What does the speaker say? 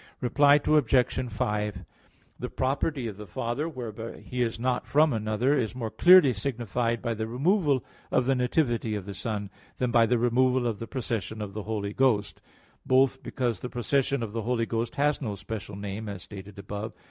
Reply Obj. 5: The property of the Father, whereby He is not from another, is more clearly signified by the removal of the nativity of the Son, than by the removal of the procession of the Holy Ghost; both because the procession of the Holy Ghost has no special name, as stated above (Q.